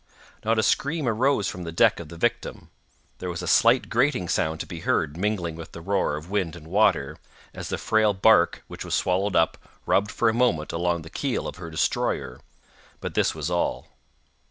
Not a scream arose from the deck of the victim—there was a slight grating sound to be heard mingling with the roar of wind and water, as the frail bark which was swallowed up rubbed for a moment along the keel of her destroyer—but this was all.